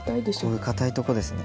こういう硬いとこですね。